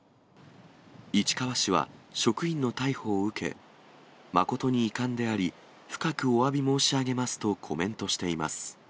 市川市は職員の逮捕を受け、誠に遺憾であり、深くおわび申し上げますとコメントしています。